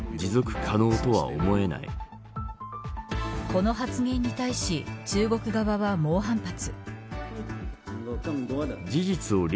この発言に対し中国側は猛反発。